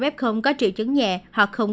hai trăm linh f có triệu chứng nhẹ hoặc không